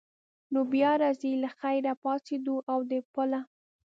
نو بیا راځئ له خیره، پاڅېدو او د پله.